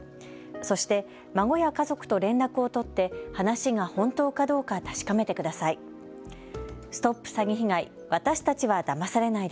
そして孫や家族と連絡を取って話が本当かどうか確かめてください。